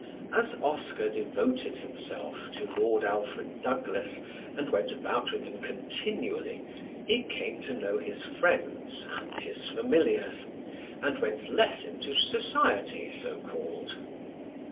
As Oscar devoted himself to Lord Alfred Douglas and went about with him continually, he came to know his friends and his familiars, and went less into society so called.